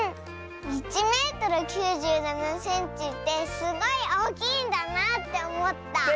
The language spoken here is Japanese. １メートル９７センチってすごいおおきいんだなっておもった。